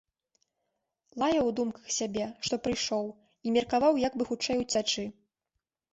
Лаяў у думках сябе, што прыйшоў, і меркаваў, як бы хутчэй уцячы.